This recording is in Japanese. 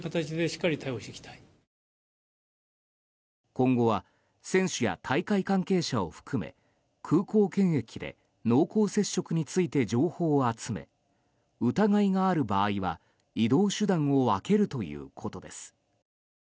今後は選手や大会関係者を含め空港検疫で濃厚接触について情報を集め疑いがある場合は、移動手段を分けるということです。